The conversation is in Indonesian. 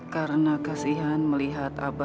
karena kasihan melihat abah hal yang tidak baik